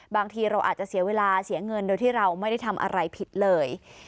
บางทีเราอาจจะเสียเวลาเสียเงินโดยที่เราไม่ได้ทำอะไรผิดเลย